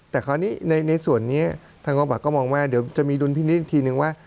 แต่ในส่วนนี้ทางกองปากก็มองว่าเดี๋ยวจะมีดุลพินิษฐ์ทีนึงว่า